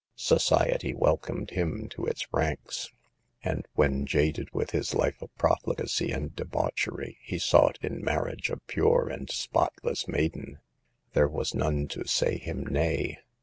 Society welcomed him to its ranks, and when, jaded with his life of profligacy and debauchery, he sought in marriage a pure and spotless maiden, there was none to say him nay.